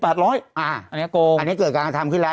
อันนี้โกงอันนี้เกิดการกระทำขึ้นแล้ว